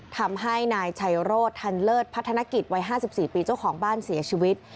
ทำให้นายชัยโรธทันเลิศพัฒนกิจวัย๕๔ปีเจ้าของบ้านเสียชีวิต